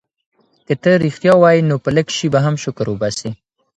که ته ریښتیا وایې نو په لږ شي به هم شکر وباسې.